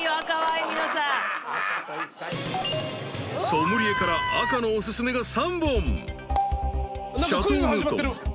［ソムリエから赤のお薦めが３本］